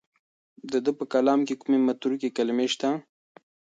د ده په کلام کې کومې متروکې کلمې شته؟